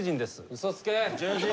・うそつけ！